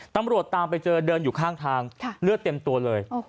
ตามไปเจอเดินอยู่ข้างทางเลือดเต็มตัวเลย